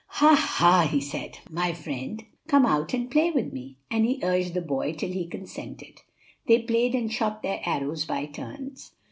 "Ha! ha!" he said, "my friend, come out and play with me." And he urged the boy till he consented. They played and shot their arrows by turns.